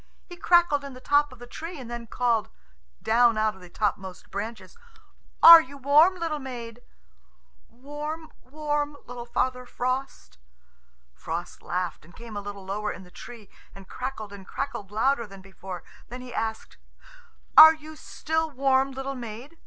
He crackled in the top of the tree, and then called; down out of the topmost branches, "Are you warm, little maid?" "Warm, warm, little Father Frost." Frost laughed, and came a little lower in the tree and crackled and crackled louder than before. Then he asked, "Are you still warm, little maid?